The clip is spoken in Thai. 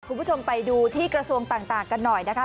คุณผู้ชมไปดูที่กระทรวงต่างกันหน่อยนะคะ